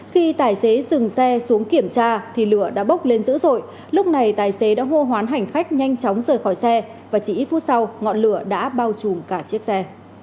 khi tài xế dừng xe xuống kiểm tra thì lửa đã bốc lên dữ dội lúc này tài xế đã hô hoán hành khách nhanh chóng rời khỏi xe và chỉ ít phút sau ngọn lửa đã bao trùm cả chiếc xe